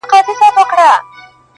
درد بايد درک کړل سي تل-